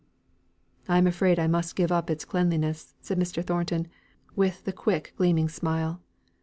"I'm afraid I must give up its cleanliness," said Mr. Thornton, with the quick gleaming smile.